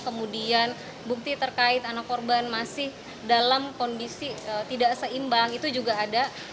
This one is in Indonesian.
kemudian bukti terkait anak korban masih dalam kondisi tidak seimbang itu juga ada